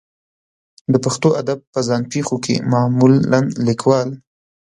د پښتو ادب په ځان پېښو کې معمولا لیکوال